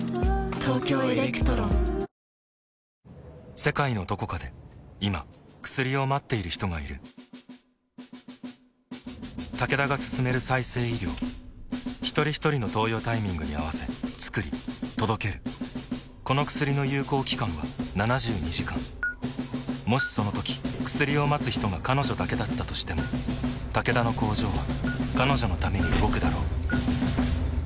世界のどこかで今薬を待っている人がいるタケダが進める再生医療ひとりひとりの投与タイミングに合わせつくり届けるこの薬の有効期間は７２時間もしそのとき薬を待つ人が彼女だけだったとしてもタケダの工場は彼女のために動くだろう